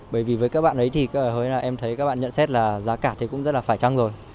bởi vì với các bạn ấy thì em thấy các bạn nhận xét là giá cả thì cũng rất là phải trăng rồi